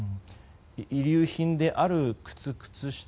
遺留品である靴と靴下